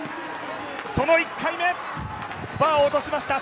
その１回目、バー落としました。